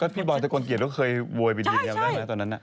ตอนสกลเกียจเขาเคยโวยบิดหยินยังได้ไหมตอนนั้นน่ะ